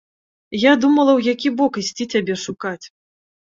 Я думала, у які бок ісці цябе шукаць.